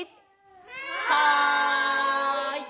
はい！